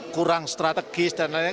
kurang strategis dan lain lain